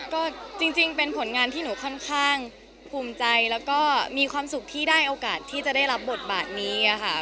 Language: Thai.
ก็จริงเป็นผลงานที่หนูค่อนข้างภูมิใจแล้วก็มีความสุขที่ได้โอกาสที่จะได้รับบทบาทนี้ค่ะ